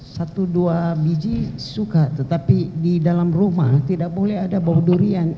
satu dua biji suka tetapi di dalam rumah tidak boleh ada bau durian